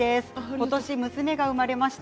今年、娘が生まれました。